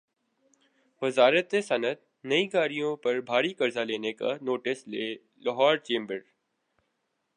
وزارت صنعت نئی گاڑیوں پر بھاری قرضہ لینے کا ںوٹس لے لاہور چیمبر